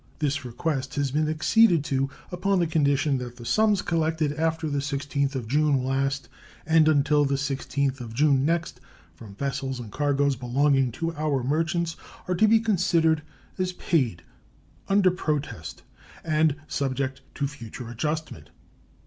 This request has been acceded to upon the condition that the sums collected after the 16th of June last and until the 16th of June next from vessels and cargoes belonging to our merchants are to be considered as paid under protest and subject to future adjustment.